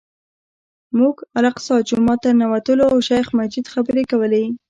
موږ الاقصی جومات ته ننوتلو او شیخ مجید خبرې کولې.